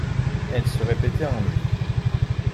Elles se répétaient en lui.